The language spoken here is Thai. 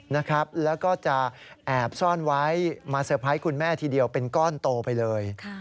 แล้วก็จะแอบซ่อนไว้มาเตอร์ไพรส์คุณแม่ทีเดียวเป็นก้อนโตไปเลย